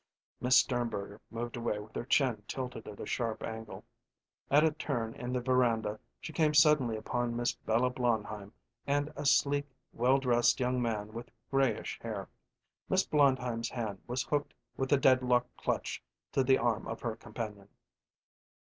Miss Sternberger moved away with her chin tilted at a sharp angle. At a turn in the veranda she came suddenly upon Miss Bella Blondheim and a sleek, well dressed young man with grayish hair. Miss Blondheim's hand was hooked with a deadlock clutch to the arm of her companion.